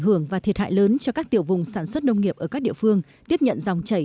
hưởng và thiệt hại lớn cho các tiểu vùng sản xuất nông nghiệp ở các địa phương tiếp nhận dòng chảy